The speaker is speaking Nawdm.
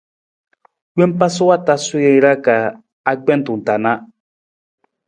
Wompa sa wa tasu jara ka agbentung ta na.